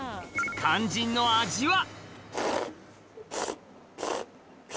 肝心の味は？